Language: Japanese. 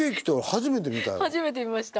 初めて見ました。